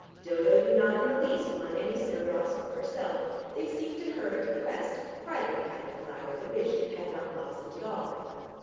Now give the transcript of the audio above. Dodo did not in the least want any snowdrops for herself; they seemed to her a depressed, frightened kind of flower that wished it had not blossomed at all.